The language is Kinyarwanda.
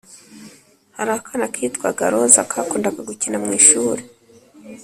Hari akana kitwaga roza kakundaga gukina mwishuri